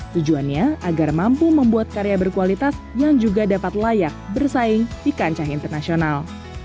tujuannya agar mampu membuat karya berkualitas yang juga dapat layak bersaing di kancah internasional